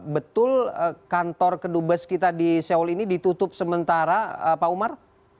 betul kantor kedubes kita di seoul ini ditutup sementara pak umar